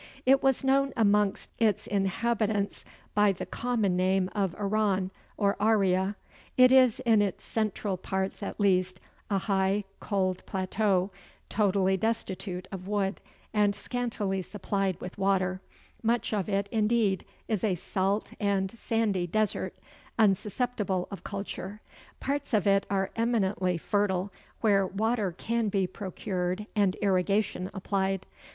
It was known amongst its inhabitants by the common name of Iran or Aria: it is, in its central parts at least, a high, cold plateau, totally destitute of wood, and scantily supplied with water; much of it indeed is a salt and sandy desert, unsusceptible of culture. Parts of it are eminently fertile, where water can be procured and irrigation applied.